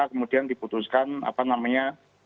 kemudian diputuskan apa namanya